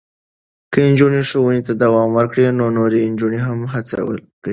که نجونې ښوونې ته دوام ورکړي، نو نورې نجونې هم هڅول کېږي.